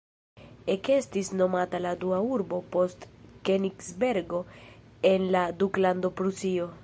Ekestis nomata la dua urbo post Kenigsbergo en la Duklando Prusio.